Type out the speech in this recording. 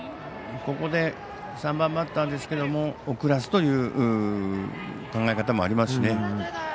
ここで、３番バッターですけども送らせるという考え方もありますしね。